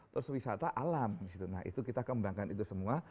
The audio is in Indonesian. terus wisata alam nah itu kita kembangkan itu semua